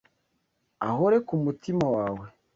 ahore ku mutima wawe